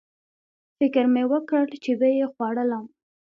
فکر مې وکړ چې ویې خوړلم